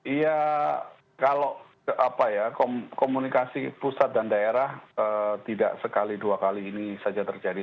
iya kalau komunikasi pusat dan daerah tidak sekali dua kali ini saja terjadi